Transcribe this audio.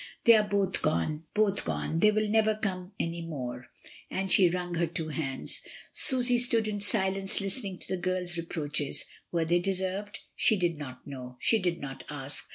They are both gone, both gone; they will never come any more," and she wrung her two hands. Susy stood in silence listening to the girl's re proaches. Were they deserved? She did not know; she did not ask.